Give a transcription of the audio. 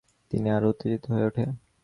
তিনি আরও উত্তেজিত হয়ে ওঠে।